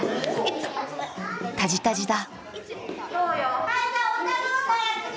タジタジだ。